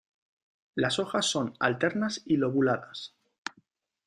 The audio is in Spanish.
Las hojas son alternas y lobuladas.